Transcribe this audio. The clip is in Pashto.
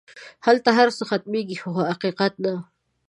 هلته هر څه ختمېږي خو حقیقت نه.